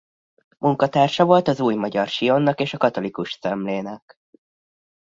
Munkatársa volt az Új Magyar Sionnak és a Katholikus Szemlének.